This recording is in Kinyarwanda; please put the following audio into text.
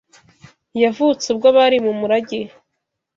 yavutse ubwo bari mu murage